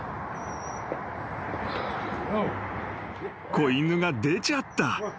［子犬が出ちゃった］